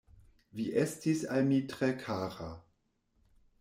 Vi estis al mi tre kara.